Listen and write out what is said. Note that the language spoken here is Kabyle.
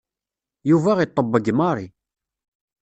Yuba iṭebbeg Marie.